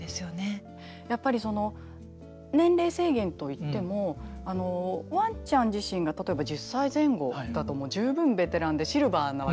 やっぱり年齢制限といってもワンちゃん自身が例えば１０歳前後だと十分ベテランでシルバーなわけですね。